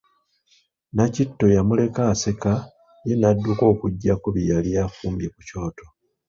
Nakitto yamuleka aseka ye n'adduka okuggyako bye yali afumba ku kyoto.